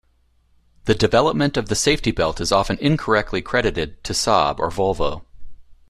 The development of the safety belt is often incorrectly credited to Saab or Volvo.